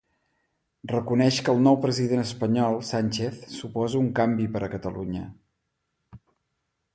Reconeix que el nou president espanyol, Sánchez, suposa un canvi per a Catalunya.